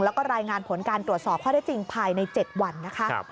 แล้วก็รายงานผลการตรวจสอบข้อได้จริงภายใน๗วันนะคะ